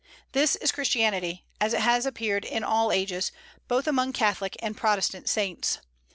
This is Christianity, as it has appeared in all ages, both among Catholic and Protestant saints.